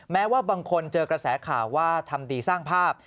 แม้ว่าบางคนเจอกระแสข่าวว่าทำดีสร้างภาพ